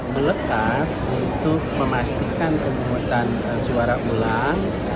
melekat untuk memastikan pemungutan suara ulang